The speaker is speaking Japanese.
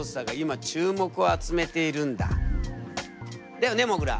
だよねもぐら。